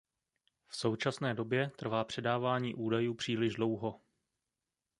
V současné době trvá předávání údajů příliš dlouho.